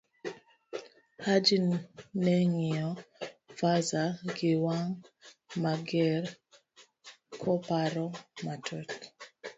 Haji neng'iyo Fazaya giwang ' mager, koparo matut.